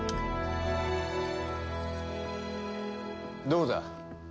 どうだ？